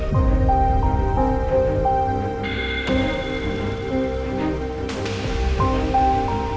masa yang terakhir